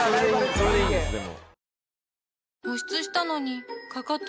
それでいいんですでも